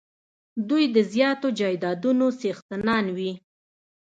دوی د زیاتو جایدادونو څښتنان وي.